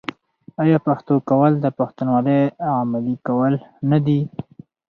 آیا پښتو کول د پښتونولۍ عملي کول نه دي؟